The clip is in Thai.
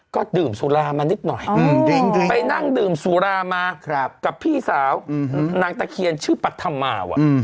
ก็ดื่มสุรามานิดหน่อยไปนั่งดื่มสุรามากับพี่สาวนางตะเคียนชื่อปัธมาว่ะ